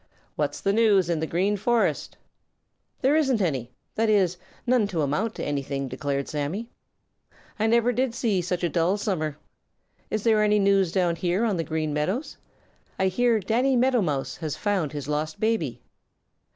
"What's the news in the Green Forest?" "There isn't any, that is, none to amount to anything," declared Sammy. "I never did see such a dull summer. Is there any news down here on the Green Meadows? I hear Danny Meadow Mouse has found his lost baby."